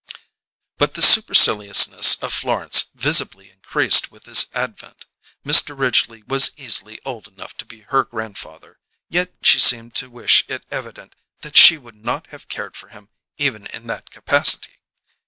But the superciliousness of Florence visibly increased with this advent: Mr. Ridgely was easily old enough to be her grandfather, yet she seemed to wish it evident that she would not have cared for him even in that capacity.